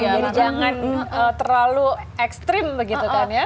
jadi jangan terlalu ekstrim begitu kan ya